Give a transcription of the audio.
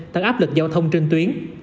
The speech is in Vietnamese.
tăng áp lực giao thông trên tuyến